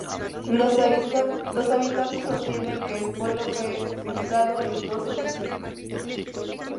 Los habitantes sostienen que el pueblo fue fundado en dos ocasiones.